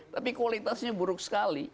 tapi kualitasnya buruk sekali